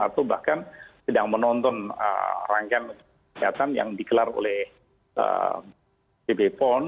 atau bahkan sedang menonton rangkaian kegiatan yang digelar oleh pb pon